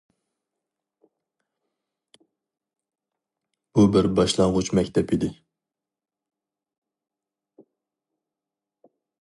بۇ بىر باشلانغۇچ مەكتەپ ئىدى.